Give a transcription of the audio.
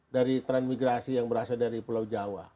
dari transmigrasi yang berasal dari pulau jawa